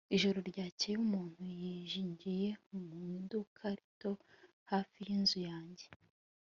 ijoro ryakeye umuntu yinjiye mu iduka rito hafi yinzu yanjye